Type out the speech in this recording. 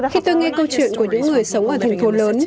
khi tôi nghe câu chuyện của những người sống ở thành phố lớn